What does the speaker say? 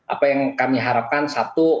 apa yang kami harapkan satu